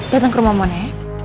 datang ke rumah mohon ya